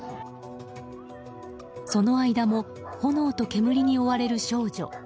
その間も炎と煙に追われる少女。